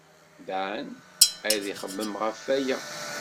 Dan ad ixemmem ɣef waya.